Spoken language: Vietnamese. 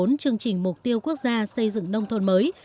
bốn chương trình mục tiêu quốc gia xây dựng nông thôn mới